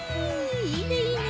いいねいいね。